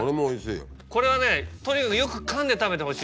これはねとにかくよく噛んで食べてほしいって。